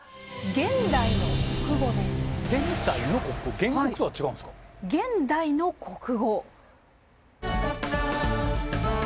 「現代の国語」。